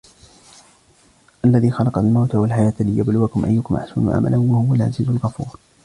الذي خلق الموت والحياة ليبلوكم أيكم أحسن عملا وهو العزيز الغفور